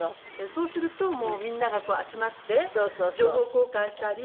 そうするとみんなが集まって情報交換したり。